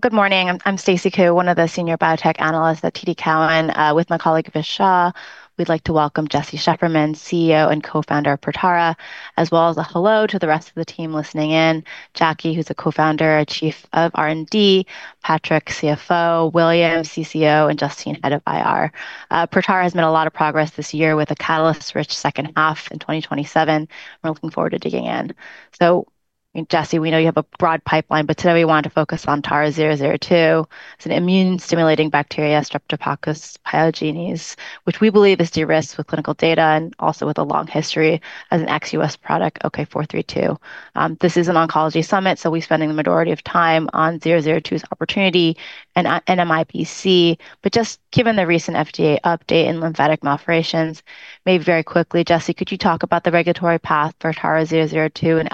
Good morning. I'm Stacy Ku, one of the Senior Biotech Analysts at TD Cowen. With my colleague, Vishal, we'd like to welcome Jesse Shefferman, CEO and Co-Founder of Protara, as well as a hello to the rest of the team listening in. Jackie, who's the Co-Founder and Chief of R&D, Patrick, CFO, William, CCO, and Justine, Head of IR. Protara has made a lot of progress this year with a catalyst-rich H2 in 2027, and I'm looking forward to digging in. Jesse, we know you have a broad pipeline, but today we want to focus on TARA-002. It's an immune-stimulating bacteria, Streptococcus pyogenes, which we believe is de-risked with clinical data and also with a long history as an ex-U.S. product, OK-432. This is an oncology summit, so we spend the majority of time on 002's opportunity in NMIBC. Just given the recent FDA update in Lymphatic Malformations, maybe very quickly, Jesse, could you talk about the regulatory path for TARA-002 and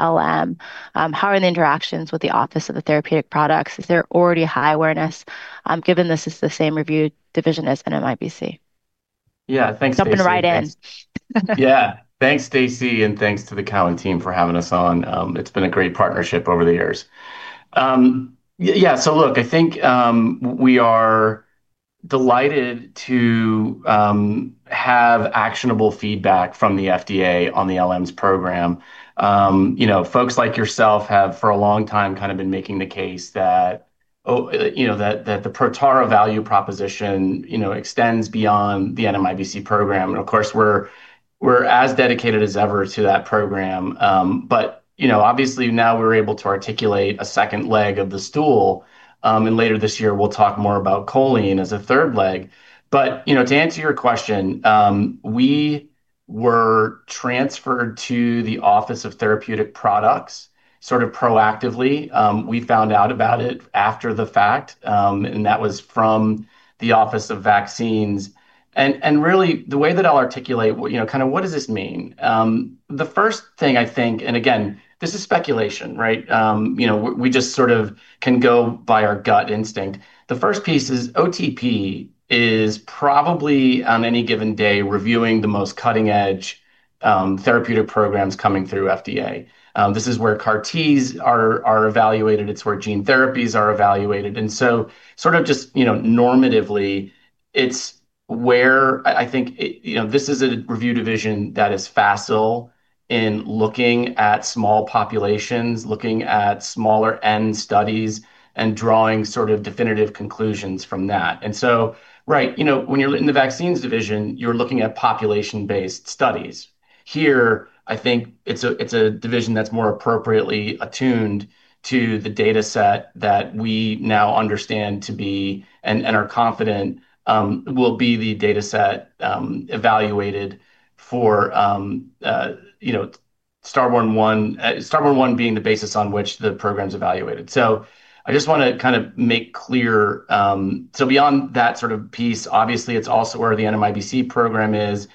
LM? How are the interactions with the Office of Therapeutic Products? Is there already high awareness, given this is the same review division as NMIBC? Yeah. Thanks, Stacy. Jump right in. Yeah. Thanks, Stacy, and thanks to the Cowen team for having us on. It's been a great partnership over the years. Look, I think we are delighted to have actionable feedback from the FDA on the LMs program. Folks like yourself have for a long time kind of been making the case that the Protara value proposition extends beyond the NMIBC program. Of course, we're as dedicated as ever to that program. Obviously now we're able to articulate a second leg of the stool. Later this year, we'll talk more about choline as a third leg. To answer your question, we were transferred to the Office of Therapeutic Products sort of proactively. We found out about it after the fact, and that was from the Office of Vaccines. Really the way that I'll articulate what does this mean. The first thing I think, again, this is speculation, right? We just sort of can go by our gut instinct. The first piece is OTP is probably, on any given day, reviewing the most cutting-edge therapeutic programs coming through FDA. This is where CAR-Ts are evaluated. It's where gene therapies are evaluated. Sort of just normatively, it's where I think this is a review division that is facile in looking at small populations, looking at smaller end studies, and drawing sort of definitive conclusions from that. Right, when you're in the vaccines division, you're looking at population-based studies. Here, I think it's a division that's more appropriately attuned to the data set that we now understand to be and are confident will be the data set evaluated for STARBORN-1, STARBORN-1 being the basis on which the program's evaluated. I just want to make clear. Beyond that piece, obviously, it's also where the NMIBC program is.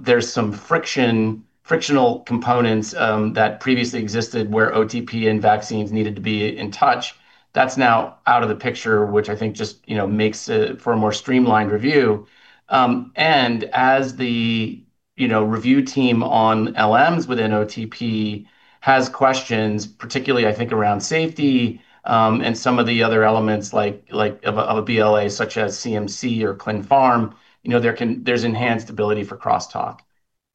There's some frictional components that previously existed where OTP and vaccines needed to be in touch. That's now out of the picture, which I think just makes it for a more streamlined review. As the review team on LMs within OTP has questions, particularly, I think, around safety, and some of the other elements like of a BLA such as CMC or Clin Pharm, there's enhanced ability for crosstalk.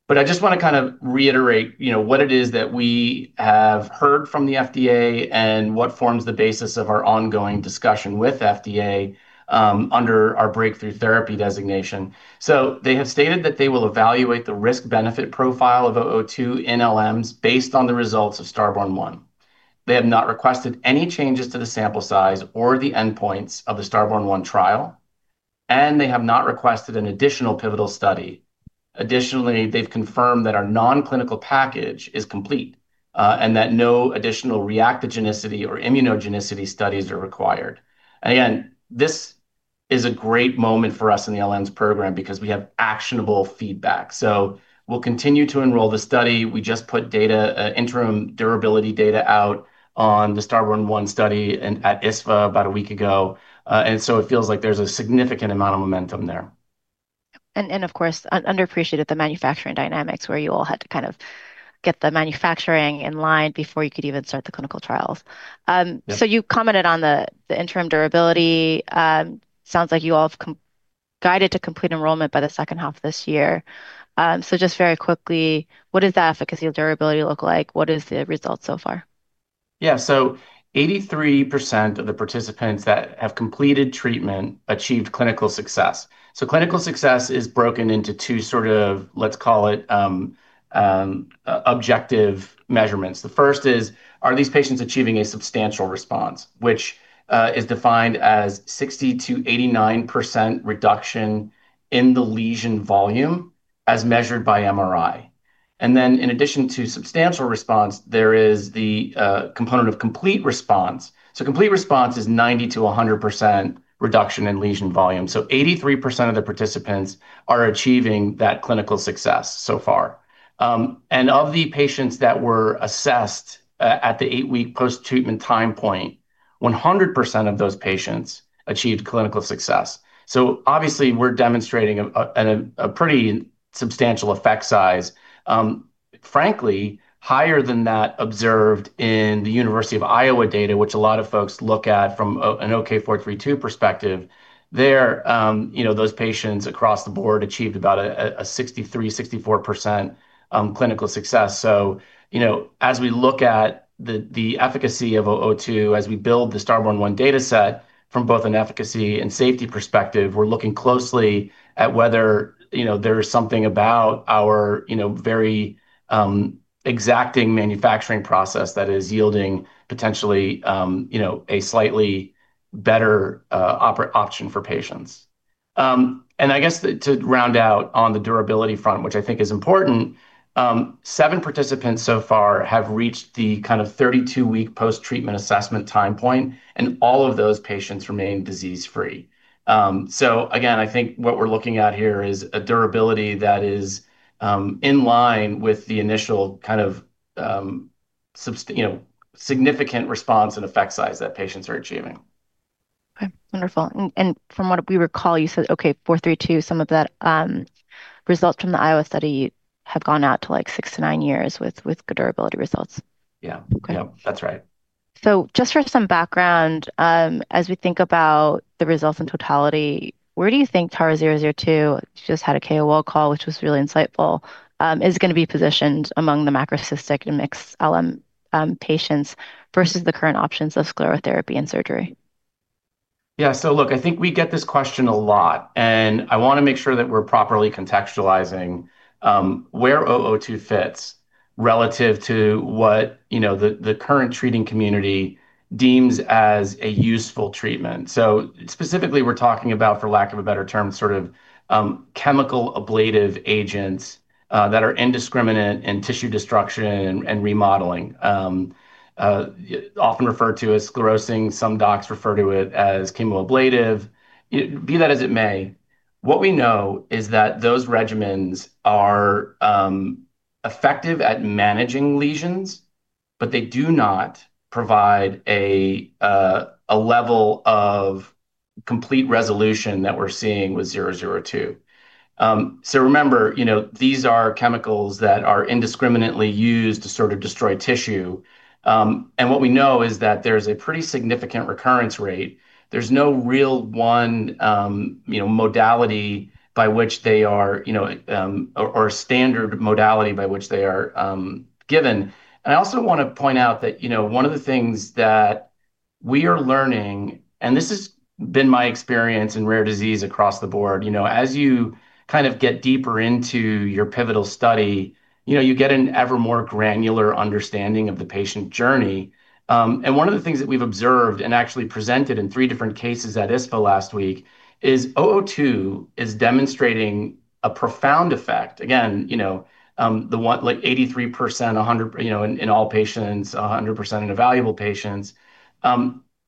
I just want to reiterate what it is that we have heard from the FDA and what forms the basis of our ongoing discussion with FDA under our breakthrough therapy designation. They have stated that they will evaluate the risk-benefit profile of 002 in LMs based on the results of STARBORN-1. They have not requested any changes to the sample size or the endpoints of the STARBORN-1 trial. They have not requested an additional pivotal study. Additionally, they've confirmed that our non-clinical package is complete, and that no additional reactogenicity or immunogenicity studies are required. Again, this is a great moment for us in the LMs program because we have actionable feedback. We'll continue to enroll the study. We just put interim durability data out on the STARBORN-1 study at ISSVA about one week ago. It feels like there's a significant amount of momentum there. Of course, underappreciated the manufacturing dynamics where you all had to kind of get the manufacturing in line before you could even start the clinical trials. Yeah. You commented on the interim durability. Sounds like you all have guided to complete enrollment by the H2 of this year. Just very quickly, what does the efficacy of durability look like? What is the result so far? Yeah. 83% of the participants that have completed treatment achieved clinical success. Clinical success is broken into two sort of, let's call it objective measurements. The first is, are these patients achieving a substantial response? Which is defined as 60%-89% reduction in the lesion volume as measured by MRI. In addition to substantial response, there is the component of complete response. Complete response is 90%-100% reduction in lesion volume. 83% of the participants are achieving that clinical success so far. Of the patients that were assessed at the eight-week post-treatment time point, 100% of those patients achieved clinical success. Obviously, we're demonstrating a pretty substantial effect size, frankly, higher than that observed in the University of Iowa data, which a lot of folks look at from an OK-432 perspective. There, those patients across the board achieve about a 63%-64% clinical success. As we look at the efficacy of TARA-002, as we build the STARBORN-1 data set from both an efficacy and safety perspective, we're looking closely at whether there's something about our very exacting manufacturing process that is yielding potentially, a slightly better option for patients. I guess to round out on the durability front, which I think is important, seven participants so far have reached the kind of 32-week post-treatment assessment time point, and all of those patients remain disease-free. Again, I think what we're looking at here is a durability that is in line with the initial kind of significant response and effect size that patients are achieving. Okay. Wonderful. From what we recall, you said, OK-432, some of the results from the Iowa study have gone out to six to nine years with good durability results. Yeah. That's right. Just for some background, as we think about the results in totality, where do you think TARA-002, just had a KOL call, which was really insightful, is going to be positioned among the macrocystic mixed LM patients versus the current options of sclerotherapy and surgery? Yeah. Look, I think we get this question a lot, and I want to make sure that we're properly contextualizing where TARA-002 fits relative to what the current treating community deems as a useful treatment. Specifically, we're talking about, for lack of a better term, sort of chemical ablative agents that are indiscriminate in tissue destruction and remodeling. Often referred to as sclerosing. Some docs refer to it as chemoablative. Be that as it may, what we know is that those regimens are effective at managing lesions, but they do not provide a level of complete resolution that we're seeing with TARA-002. Remember, these are chemicals that are indiscriminately used to sort of destroy tissue. What we know is that there's a pretty significant recurrence rate. There's no real one modality or standard modality by which they are given. I also want to point out that one of the things that we are learning, and this has been my experience in rare disease across the board. As you kind of get deeper into your pivotal study, you get an ever more granular understanding of the patient journey. One of the things that we've observed and actually presented in three different cases at ISSVA last week is TARA-002 is demonstrating a profound effect. Again, like 83% in all patients, 100% in evaluable patients.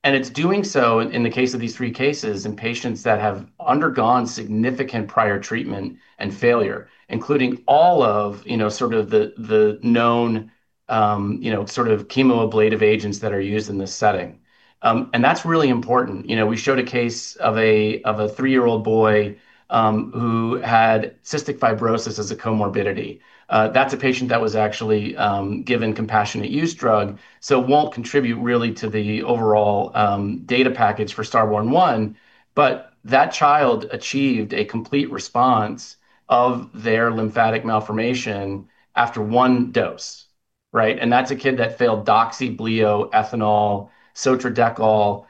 It's doing so in the case of these three cases in patients that have undergone significant prior treatment and failure, including all of the known chemoablative agents that are used in this setting. That's really important. We showed a case of a three-year-old boy, who had cystic fibrosis as a comorbidity. That's a patient that was actually given compassionate use drug, so won't contribute really to the overall data package for STARBORN-1. That child achieved a complete response of their lymphatic malformation after one dose. Right? That's a kid that failed doxy, bleo, ethanol, Sotradecol.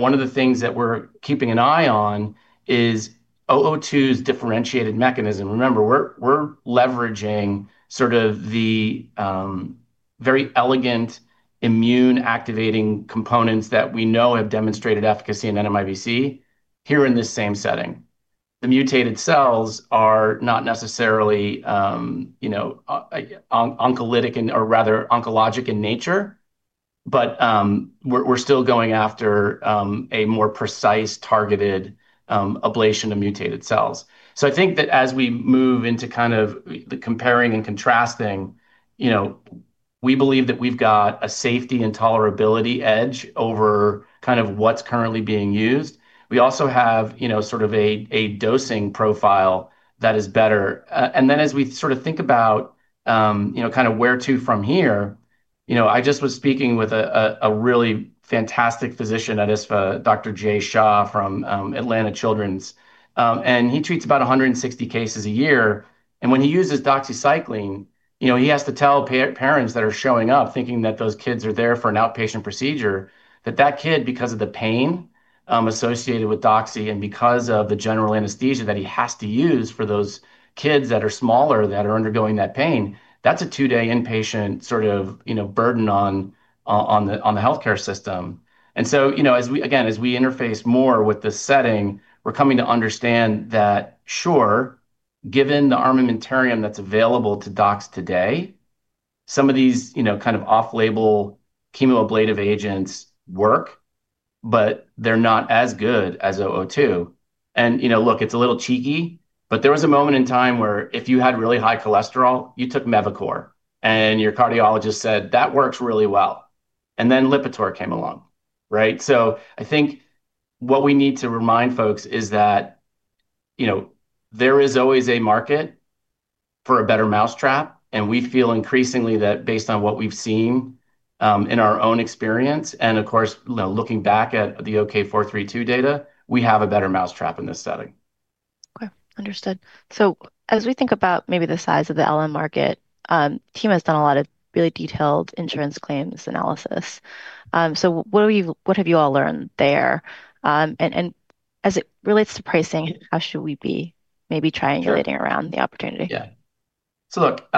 One of the things that we're keeping an eye on is TARA-002's differentiated mechanism. Remember, we're leveraging sort of the very elegant immune-activating components that we know have demonstrated efficacy in NMIBC, here in this same setting. The mutated cells are not necessarily oncologic in nature, but we're still going after a more precise, targeted ablation of mutated cells. I think that as we move into kind of the comparing and contrasting, we believe that we've got a safety and tolerability edge over kind of what's currently being used. We also have a dosing profile that is better. As we think about where to from here, I just was speaking with a really fantastic physician at ISSVA, Jay Shah from Children's Healthcare of Atlanta, and he treats about 160 cases a year. When he uses doxycycline, he has to tell parents that are showing up thinking that those kids are there for an outpatient procedure, that that kid, because of the pain associated with doxycycline and because of the general anesthesia that he has to use for those kids that are smaller that are undergoing that pain, that's a two-day inpatient sort of burden on the healthcare system. Again, as we interface more with the setting, we're coming to understand that, sure, given the armamentarium that's available to docs today, some of these kind of off-label chemoablative agents work, but they're not as good as TARA-002. Look, it's a little cheeky, but there was a moment in time where if you had really high cholesterol, you took Mevacor, and your cardiologist said, "That works really well." LIPITOR came along. Right? What we need to remind folks is that there is always a market for a better mousetrap, and we feel increasingly that based on what we've seen in our own experience, and of course looking back at the OK-432 data, we have a better mousetrap in this setting. Okay, understood. As we think about maybe the size of the LM market, team has done a lot of good detailed insurance claims analysis. What have you all learned there? As it relates to pricing, how should we be maybe trying and building around the opportunity? Yeah. Look,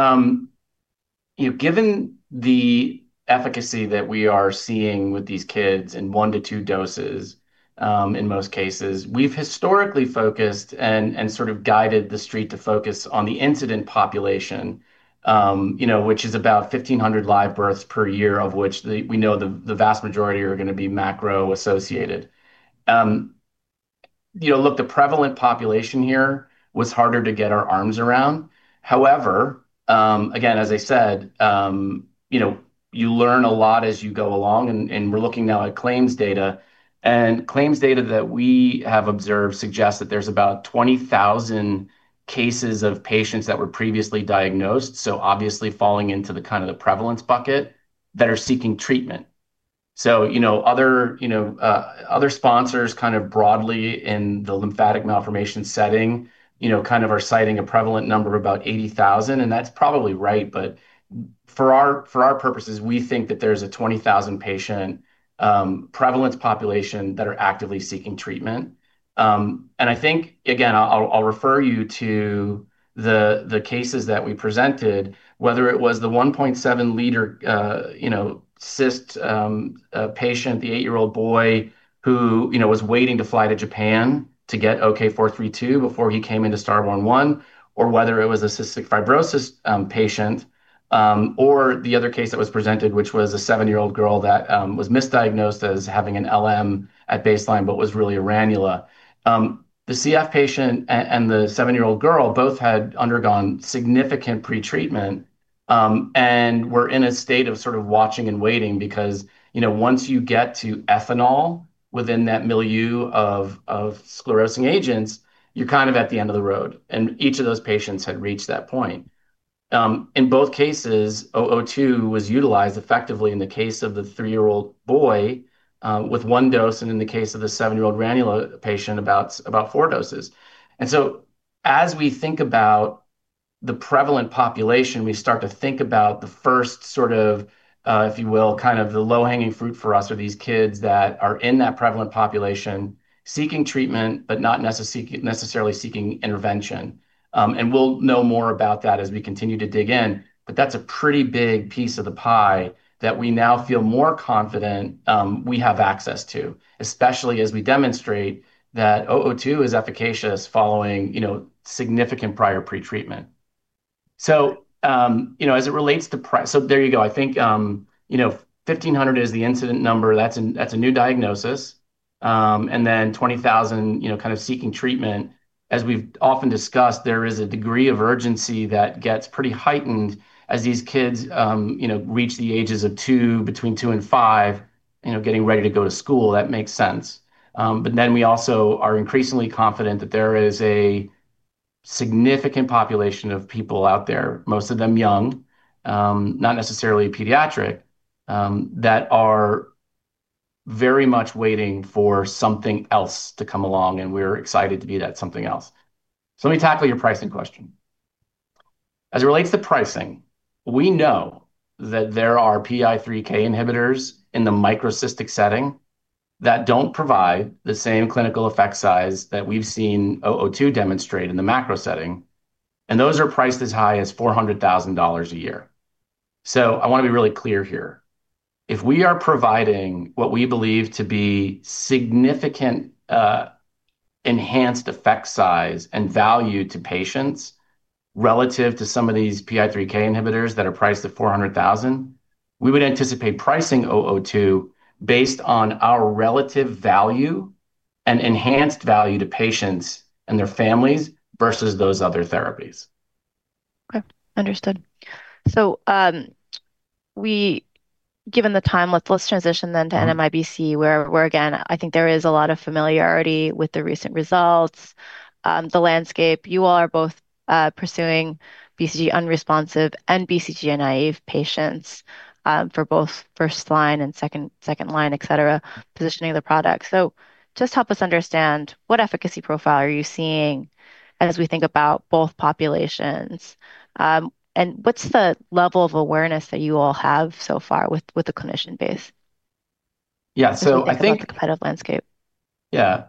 given the efficacy that we are seeing with these kids in one to two doses, in most cases, we've historically focused and sort of guided the street to focus on the incident population, which is about 1,500 live births per year, of which we know the vast majority are going to be macro-associated. Look, the prevalent population here was harder to get our arms around. However, again, as I said, you learn a lot as you go along, and we're looking now at claims data, and claims data that we have observed suggest that there's about 20,000 cases of patients that were previously diagnosed, so obviously falling into the kind of the prevalence bucket, that are seeking treatment. Other sponsors kind of broadly in the lymphatic malformation setting, kind of are citing a prevalent number of about 80,000, and that's probably right, but for our purposes, we think that there's a 20,000 patient prevalent population that are actively seeking treatment. I think, again, I'll refer you to the cases that we presented, whether it was the 1.7-liter cyst patient, the eight-year-old boy who was waiting to fly to Japan to get OK-432 before he came in to STARBORN-1, or whether it was a cystic fibrosis patient, or the other case that was presented, which was a seven-year-old girl that was misdiagnosed as having an LM at baseline, but was really a ranula. The CF patient and the seven-year-old girl both had undergone significant pretreatment, and were in a state of sort of watching and waiting because, once you get to ethanol within that milieu of sclerosing agents, you're kind of at the end of the road, and each of those patients had reached that point. In both cases, TARA-002 was utilized effectively in the case of the three-year-old boy, with one dose, and in the case of a seven-year-old ranula patient about four doses. As we think about the prevalent population, we start to think about the first sort of, if you will, kind of the low-hanging fruit for us are these kids that are in that prevalent population seeking treatment, but not necessarily seeking intervention. We'll know more about that as we continue to dig in, but that's a pretty big piece of the pie that we now feel more confident we have access to, especially as we demonstrate that TARA-002 is efficacious following significant prior pretreatment. There you go, I think, 1,500 is the incident number, that's a new diagnosis, and then 20,000 kind of seeking treatment. As we've often discussed, there is a degree of urgency that gets pretty heightened as these kids reach the ages of two, between two and five, getting ready to go to school, that makes sense. We also are increasingly confident that there is a significant population of people out there, most of them young, not necessarily pediatric, that are very much waiting for something else to come along, and we're excited to be that something else. Let me tackle your pricing question. As it relates to pricing, we know that there are PI3K inhibitors in the microcystic setting that don't provide the same clinical effect size that we've seen TARA-002 demonstrate in the macro setting, and those are priced as high as $400,000 a year. I want to be really clear here. If we are providing what we believe to be significant enhanced effect size and value to patients relative to some of these PI3K inhibitors that are priced at $400,000, we would anticipate pricing 002 based on our relative value and enhanced value to patients and their families versus those other therapies. Okay. Understood. Given the time, let's transition then to NMIBC where, again, I think there is a lot of familiarity with the recent results, the landscape. You all are both pursuing BCG-unresponsive and BCG-naive patients, for both first line and second line, et cetera, positioning the product. Just help us understand what efficacy profile are you seeing as we think about both populations? What's the level of awareness that you all have so far with the clinician base? Yeah. The competitive landscape. Yeah.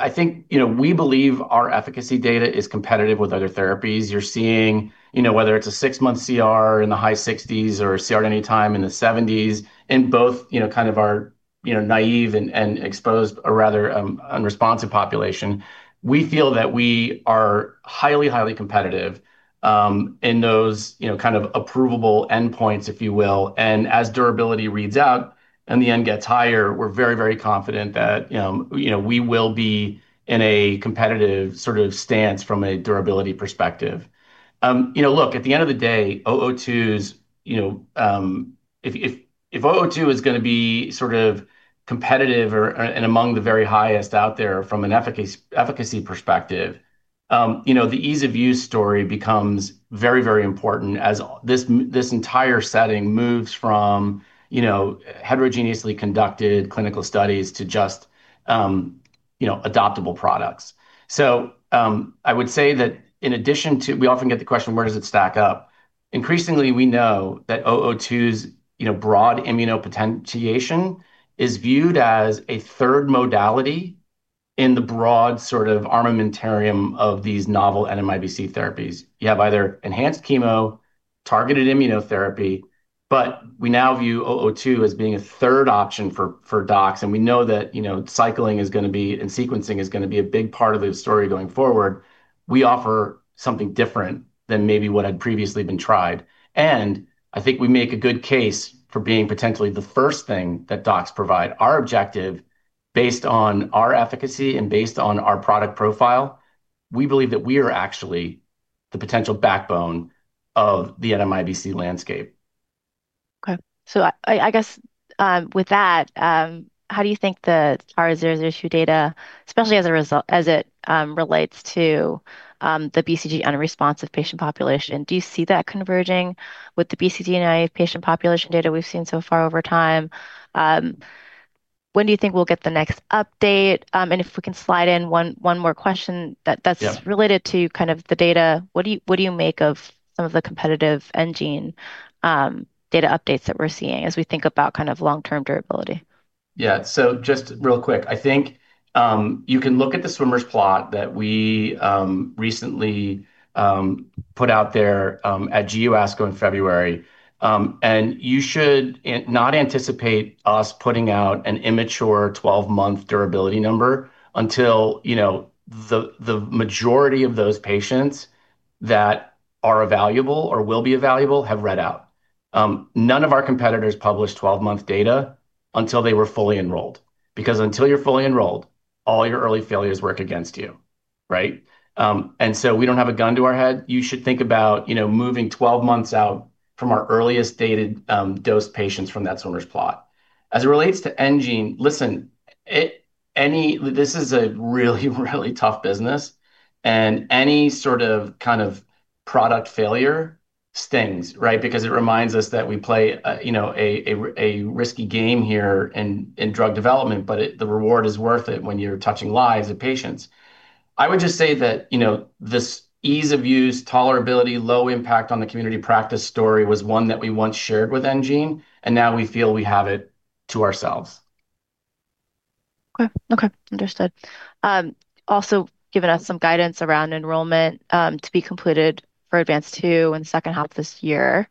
I think, we believe our efficacy data is competitive with other therapies. You're seeing, whether it's a six-month CR in the high 60s or a CR at any time in the 70s in both our naive and exposed or rather unresponsive population. We feel that we are highly competitive in those approvable endpoints if you will. As durability reads out and the N gets higher, we're very, very confident that we will be in a competitive sort of stance from a durability perspective. Look, at the end of the day, if 002 is going to be sort of competitive or, and among the very highest out there from an efficacy perspective. The ease of use story becomes very important as this entire setting moves from heterogeneously conducted clinical studies to just adoptable products. I would say that in addition to, we often get the question, where does it stack up? Increasingly, we know that 002's broad immunopotentiation is viewed as a third modality in the broad sort of armamentarium of these novel NMIBC therapies. You have either enhanced chemo, targeted immunotherapy, but we now view 002 as being a third option for docs, and we know that cycling is going to be, and sequencing is going to be a big part of the story going forward. We offer something different than maybe what had previously been tried. I think we make a good case for being potentially the first thing that docs provide. Our objective based on our efficacy and based on our product profile, we believe that we are actually the potential backbone of the NMIBC landscape. I guess with that, how do you think the TARA-002 data, especially as it relates to the BCG-unresponsive patient population, do you see that converging with the BCG-naive patient population data we've seen so far over time? When do you think we'll get the next update? Related to the data. What do you make of the competitive enGene data updates that we're seeing as we think about long-term durability? Yeah. Just real quick, I think, you can look at the swimmers plot that we recently put out there at GU ASCO in February, and you should not anticipate us putting out an immature 12-month durability number until the majority of those patients that are evaluable or will be evaluable have read out. None of our competitors published 12-month data until they were fully enrolled, because until you're fully enrolled, all your early failures work against you, right? We don't have a gun to our head. You should think about moving 12 months out from our earliest dated dose patients from that swimmers plot. As it relates to enGene, listen, this is a really, really tough business and any sort of product failure stings, right? It reminds us that we play a risky game here in drug development, but the reward is worth it when you're touching lives of patients. I would just say that this ease of use, tolerability, low impact on the community practice story was one that we once shared with enGene, and now we feel we have it to ourselves. Okay. Understood. Giving us some guidance around enrollment to be completed for ADVANCED-2 in H2 this year,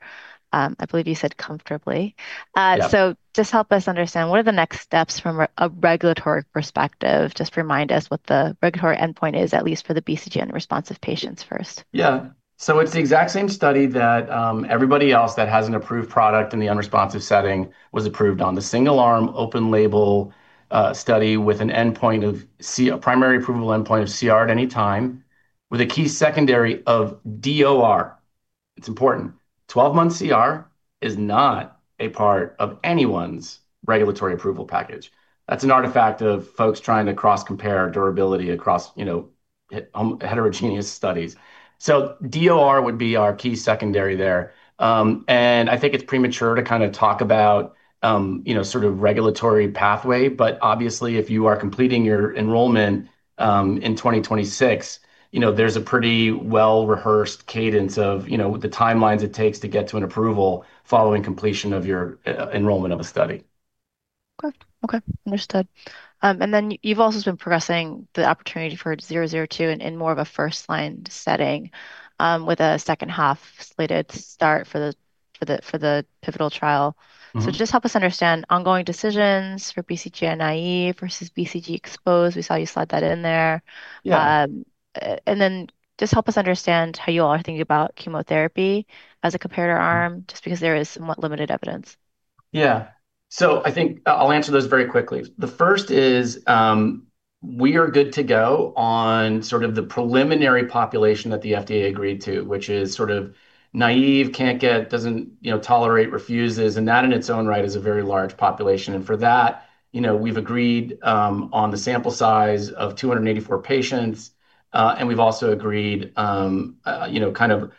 I believe you said comfortably. Yeah. Just help us understand what are the next steps from a regulatory perspective. Just remind us what the regulatory endpoint is, at least for the BCG-unresponsive patients first. Yeah. It's the exact same study that everybody else that has an approved product in the BCG-unresponsive setting was approved on. The single arm open label study with a primary approval endpoint of CR at any time with a key secondary of DOR. It's important. 12-month CR is not a part of anyone's regulatory approval package. That's an artifact of folks trying to cross-compare durability across heterogeneous studies. DOR would be our key secondary there. I think it's premature to talk about regulatory pathway, but obviously, if you are completing your enrollment in 2026, there's a pretty well-rehearsed cadence of the timelines it takes to get to an approval following completion of your enrollment of a study. Okay. Understood. Then you've also been progressing the opportunity for 002 in more of a first-line setting with a H2 slated to start for the pivotal trial. Just help us understand ongoing decisions for BCG-naive versus BCG exposed. We saw you slide that in there. Yeah. Just help us understand how you all are thinking about chemotherapy as a comparator arm, just because there is somewhat limited evidence. Yeah. I think I'll answer those very quickly. The first is, we are good to go on sort of the preliminary population that the FDA agreed to, which is sort of naive, can't get, doesn't tolerate, refuses, and that in its own right is a very large population. For that, we've agreed on the sample size of 284 patients, and we've also agreed on the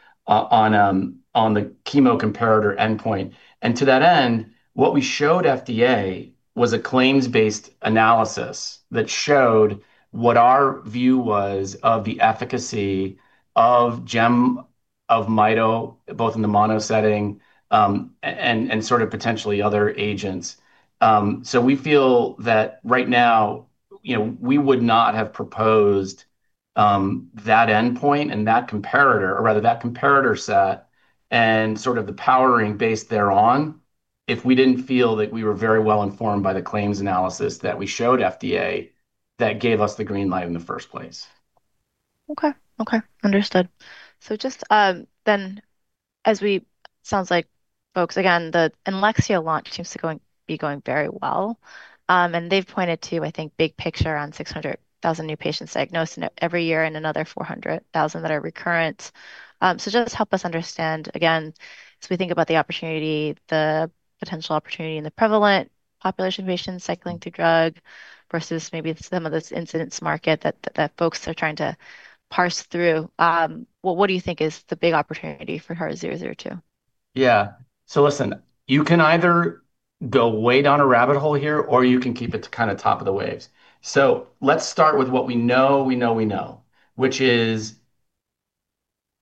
chemo comparator endpoint. To that end, what we showed FDA was a claims-based analysis that showed what our view was of the efficacy of mitomycin, both in the mono setting, and sort of potentially other agents. We feel that right now, we would not have proposed that endpoint and that comparator, or rather that comparator set and sort of the powering based thereon if we didn't feel that we were very well-informed by the claims analysis that we showed FDA that gave us the green light in the first place. Okay. Understood. Sounds like folks, again, the [inaudible] launch seems to be going very well. They've pointed to, I think, big picture, around 600,000 new patients diagnosed in it every year and another 400,000 that are recurrent. Just help us understand, again, as we think about the potential opportunity in the prevalent population patient cycling to drug versus maybe some of this incidence market that folks are trying to parse through. What do you think is the big opportunity for TARA-002? Yeah. Listen, you can either go way down a rabbit hole here, or you can keep it top of the waves. Let's start with what we know we know we know, which is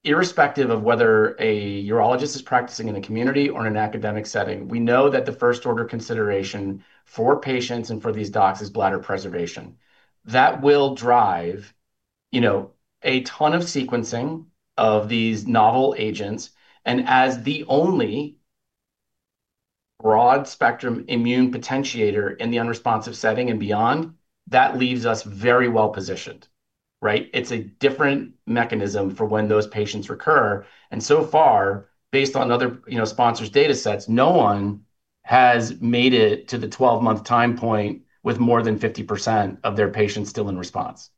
irrespective of whether a urologist is practicing in a community or in an academic setting, we know that the first order consideration for patients and for these docs is bladder preservation. That will drive a ton of sequencing of these novel agents, and as the only broad-spectrum immunopotentiator in the unresponsive setting and beyond, that leaves us very well-positioned. Right. It's a different mechanism for when those patients recur, and so far, based on other sponsor's data sets, no one has made it to the 12-month time point with more than 50% of their patients still in response.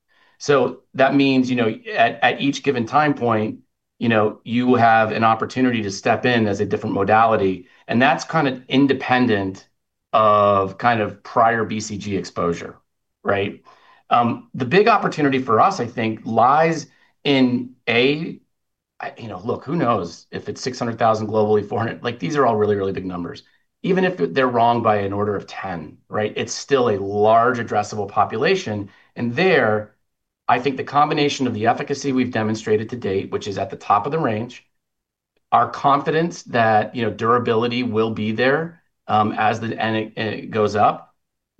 That means, at each given time point, you have an opportunity to step in as a different modality, and that's independent of prior BCG exposure. Right? The big opportunity for us, I think, lies in, look, who knows if it's 600,000 globally for it. These are all really big numbers. Even if they're wrong by an order of 10, right, it's still a large addressable population. There, I think the combination of the efficacy we've demonstrated to date, which is at the top of the range, our confidence that durability will be there as it goes up.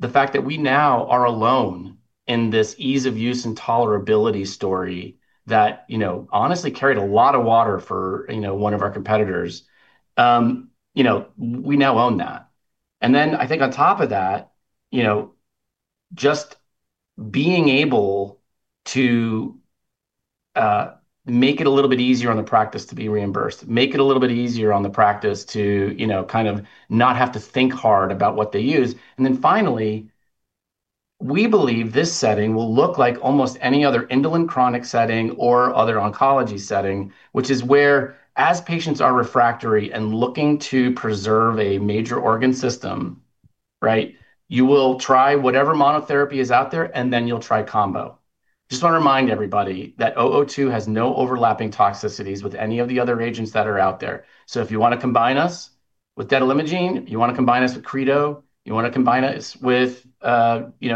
The fact that we now are alone in this ease of use and tolerability story that honestly carried a lot of water for one of our competitors. We now own that. I think on top of that, just being able to make it a little bit easier on the practice to be reimbursed, make it a little bit easier on the practice to not have to think hard about what they use. Finally, we believe this setting will look like almost any other indolent chronic setting or other oncology setting, which is where as patients are refractory and looking to preserve a major organ system, right, you will try whatever monotherapy is out there, and then you'll try combo. Just want to remind everybody that TARA-002 has no overlapping toxicities with any of the other agents that are out there. If you want to combine us with, [inaudible] you want to combine us with cretostimogene,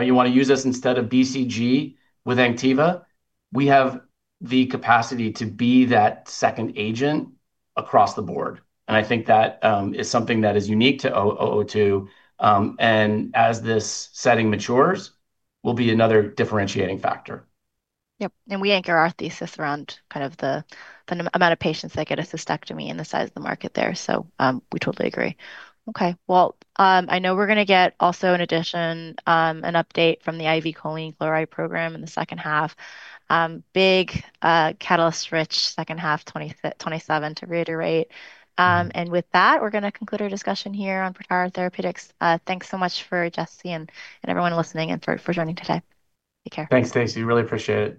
you want to use us instead of BCG with Anktiva, we have the capacity to be that second agent across the board. I think that is something that is unique to 002. As this setting matures, will be another differentiating factor. Yep. We anchor our thesis around the amount of patients that get a cystectomy and the size of the market there. We totally agree. Well, I know we're going to get also, in addition, an update from the IV Choline Chloride program in the H2. Big catalyst-rich H2 2027 to reiterate. With that, we're going to conclude our discussion here on Protara Therapeutics. Thanks so much for Jesse Shefferman and everyone listening and for joining today. Take care. Thanks, Stacy. Really appreciate it.